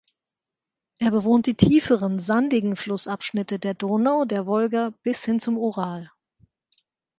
Er bewohnt die tieferen sandigen Flussabschnitte der Donau, der Wolga bis hin zum Ural.